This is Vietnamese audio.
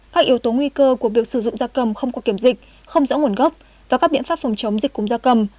các yếu tố nguy cơ của việc sử dụng da cầm không qua kiểm dịch không rõ nguồn gốc và các biện pháp phòng chống dịch cúng gia cầm